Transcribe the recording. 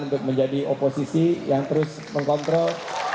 untuk menjadi oposisi yang terus mengkontrol